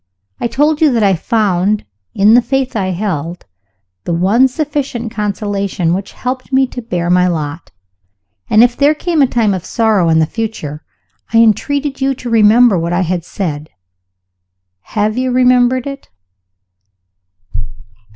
I told you that I found, in the Faith I held, the one sufficient consolation which helped me to bear my lot. And if there came a time of sorrow in the future I entreated you to remember what I had said. Have you remembered it?"